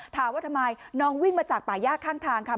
ถามว่าทำไมน้องวิ่งมาจากป่าย่าข้างทางค่ะ